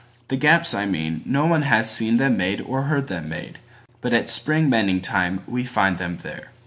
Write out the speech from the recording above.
The gaps I mean, No one has seen them made or heard them made, But at spring mending time we find them there.